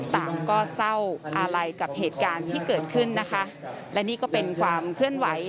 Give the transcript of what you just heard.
ต่างก็เศร้าอาลัยกับเหตุการณ์ที่เกิดขึ้นนะคะและนี่ก็เป็นความเคลื่อนไหว